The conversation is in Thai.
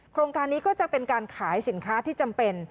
โครงการนี้ก็จะเป็นการขายสินค้าที่จำเป็น